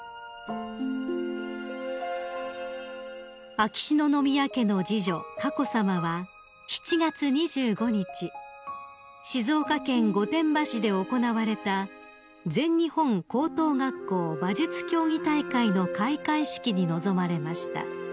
［秋篠宮家の次女佳子さまは７月２５日静岡県御殿場市で行われた全日本高等学校馬術競技大会の開会式に臨まれました］